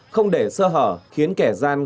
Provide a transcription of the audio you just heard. không để sơ hở khiến kẻ gian